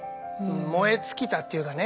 燃え尽きたっていうかね。